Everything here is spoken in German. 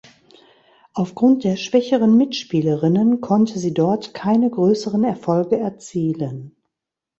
Aufgrund der schwächeren Mitspielerinnen konnte sie dort keine größeren Erfolge erzielen.